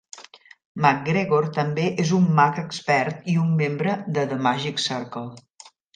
MacGregor també és un mag expert i un membre de The Magic Circle.